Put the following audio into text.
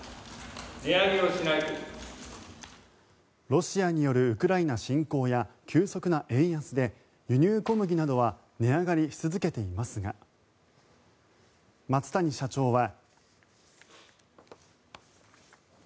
ロシアによるウクライナ侵攻や急速な円安で輸入小麦などは値上がりし続けていますが松谷社長は。